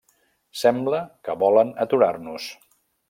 Sembla que volen aturar-nos.